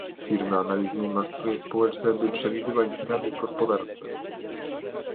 Firmy analizują nastroje społeczne, by przewidywać zmiany w gospodarce.